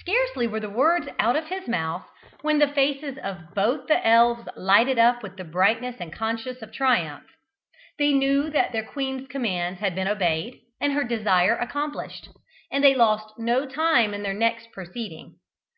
Scarcely were the words out of his mouth when the faces of both the elves lighted up with the brightness of conscious triumph; they knew that their queen's commands had been obeyed, and her desire accomplished, and they lost no time in their next proceeding.